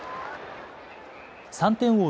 ３点を追う